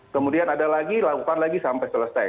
kemudian ada lagi lakukan lagi sampai selesai